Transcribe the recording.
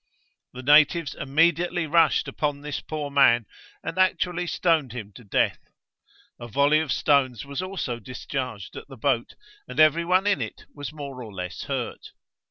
The natives immediately rushed upon this poor man, and actually stoned him to death. A volley of stones was also discharged at the boat, and every one in it was more or less hurt.